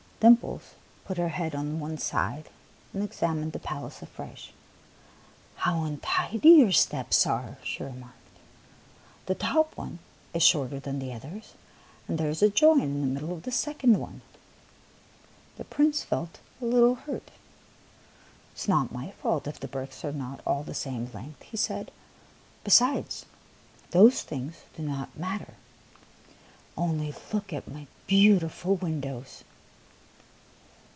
Dimples put her head on one side and ex amined the palace afresh. " How untidy your steps are !" she remarked. '' The top one is shorter than the others, and there is a join in the middle of the second one." The Prince felt a little hurt. " It is not my fault if the bricks are not all the same length," he said. " Besides, those things do not mat ter. Only look at my beautiful windows